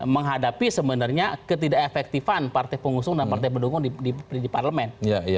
menghadapi sebenarnya ketidak efektifan partai pengusung dan partai pendukung di parlemen